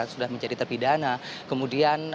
sudah menjadi terpidana kemudian